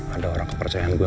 ada orang kepercayaan gue